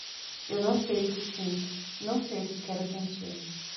E não sei o que sinto, não sei o que quero sentir